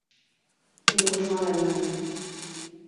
Il rejoint l'Allemagne.